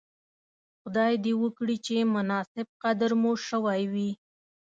خدای دې وکړي چې مناسب قدر مو شوی وی.